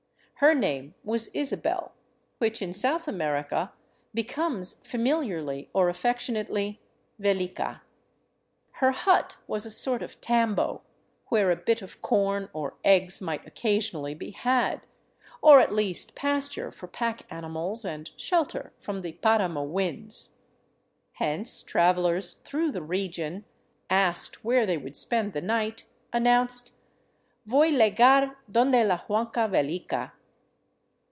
Her name was Isabel, which in South America becomes familiarly or affectionately, " Velica.'* Her hut was a sort of tambo, where a bit of corn or eggs might occasionally be had, or at least pasture for pack animals and shelter from the paramo winds. Hence travelers through the region, asked where they would spend the night, announced :" Voy llegar donde la Huanca Velica."